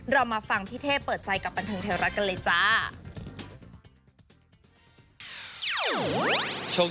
เรามาฟังพี่เท่เปิดใจกับบันเทิงไทยรัฐกันเลยจ้า